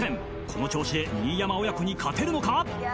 この調子で新山親子に勝てるのか？